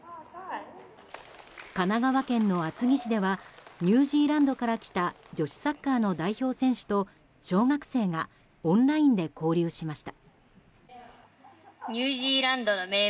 神奈川県の厚木市ではニュージーランドから来た女子サッカーの代表選手と小学生がオンラインで交流しました。